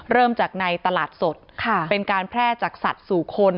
เริ่มจากในตลาดสดเป็นการแพร่จากสัตว์สู่คน